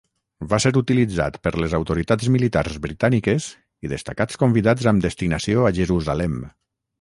Va ser utilitzat per les autoritats militars britàniques i destacats convidats amb destinació a Jerusalem.